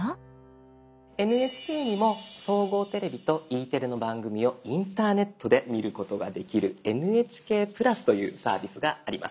ＮＨＫにも「総合テレビ」と「Ｅテレ」の番組をインターネットで見ることができる「ＮＨＫプラス」というサービスがあります。